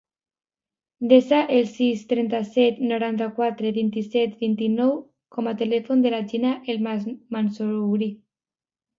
Desa el sis, trenta-set, noranta-quatre, vint-i-set, vint-i-nou com a telèfon de la Gina El Mansouri.